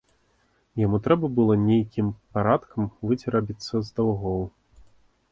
Яму трэба было нейкім парадкам выцерабіцца з даўгоў.